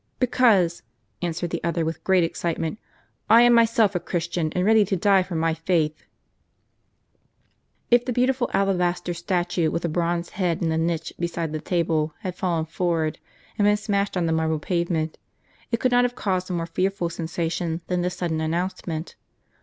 "Because," answered the other, with great excitement, "I am myself a Christian ; and ready to die for my faith !" If the beautiful alabaster statue, with a bronze head, in the niche beside the table, had fallen forward, and been smashed on the marble pavement, it could not have caused a more fearful sensation than this sudden announcement.